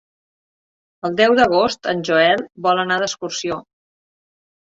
El deu d'agost en Joel vol anar d'excursió.